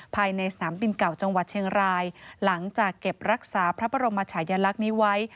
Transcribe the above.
ภายในสนามบินเก่าจังหวัดเชียงรายหลังจากเก็บรักษาพระบรมชายลักษณ์นี้ไว้